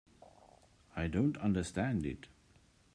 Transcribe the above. I don't understand it.